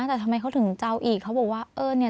แต่ทำไมเขาถึงจะเอาอีกเขาบอกว่าเออเนี่ย